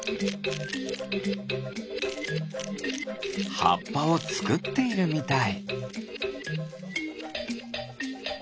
はっぱをつくっているみたい。